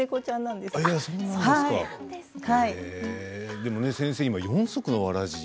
でもね先生今四足のわらじ。